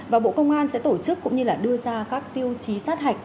và bộ công an sẽ tổ chức cũng như là đưa ra các tiêu chí sát hạch